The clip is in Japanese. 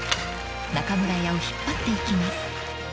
［中村屋を引っ張っていきます］